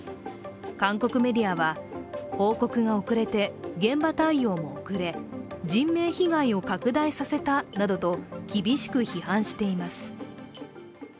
韓国メディアは、報告が遅れて現場対応も遅れ、人命被害を拡大させたなどと厳しく批判しています。